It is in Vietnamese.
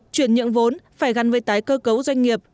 chuyển nhượng vốn phải gắn với tái cơ cấu doanh nghiệp